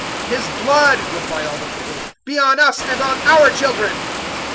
027:025 "His blood," replied all the people, "be on us and on our children!"